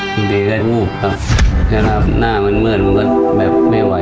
บางทีได้งูบครับหน้ามันมืดมันก็แบบไม่ไหว